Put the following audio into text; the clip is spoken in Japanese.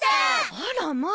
あらまあ。